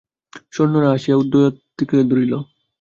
সৈন্যেরা আসিয়া উদয়াদিত্যকে ধরিল।